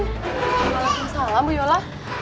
waalaikumsalam bu yola